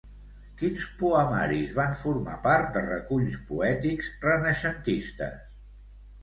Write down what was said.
Quins poemaris van formar part de reculls poètics renaixentistes?